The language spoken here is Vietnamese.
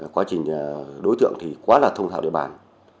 quá trình đối tượng quá thông thạo địa bàn